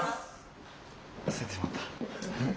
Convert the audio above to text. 忘れてしまった。